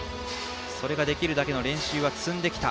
それができるだけの練習は積んできた。